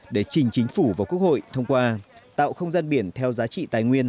để trình chính phủ và quốc hội thông qua tạo không gian biển theo giá trị tài nguyên